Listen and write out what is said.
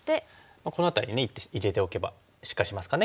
この辺りに一手入れておけばしっかりしますかね。